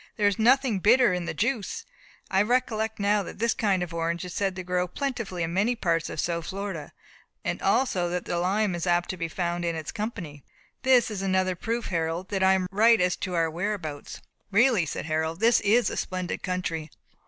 "There is nothing bitter in the juice, I recollect now that this kind of orange is said to grow plentifully in many parts of South Florida, and also that the lime is apt to be found in its company. This is another proof, Harold, that I am right as to our whereabouts." "Really," said Harold, "this is a splendid country.